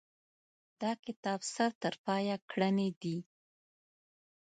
دا کتاب سر ترپایه ګړنې دي.